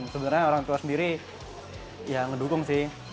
sebenarnya orang tua sendiri ya ngedukung sih